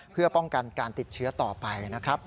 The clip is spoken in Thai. เพื่อป้องกันการติดเชื้อต่อไปนะครับ